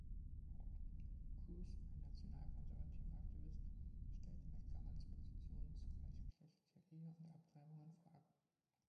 Crews, ein nationalkonservativer Aktivist, stellte McGoverns Positionen zu gleichgeschlechtlicher Ehe und Abtreibung in Frage.